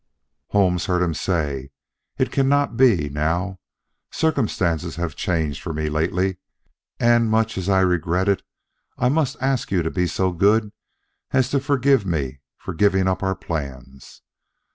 "Holmes heard him say: 'It cannot be, now. Circumstances have changed for me lately, and much as I regret it I must ask you to be so good as to forgive me for giving up our plans.'